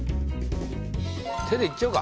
手でいっちゃおうか。